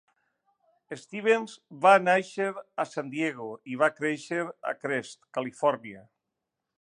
Stevens va néixer a San Diego i va créixer a Crest, Califòrnia.